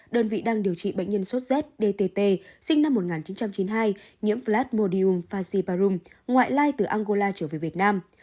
đơn vị đang điều trị bệnh nhân sốt z dtt sinh năm một nghìn chín trăm chín mươi hai nhiễm flasmodium fasciparum ngoại lai từ angola trở về việt nam